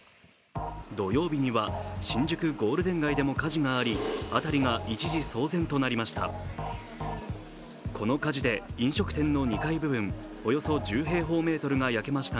土曜日には新宿ゴールデン街でも火事があり辺りが一時騒然となりました。